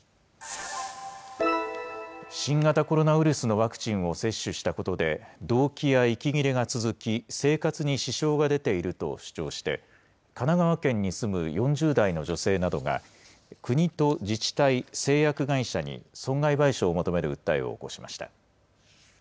新型コロナウイルスのワクチンを接種したことで、どうきや息切れが続き、生活に支障が出ていると主張して、神奈川県に住む４０代の女性などが、国と自治体、製薬会社に損害賠償を求める訴えを起こしました。